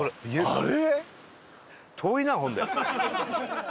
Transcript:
あれ？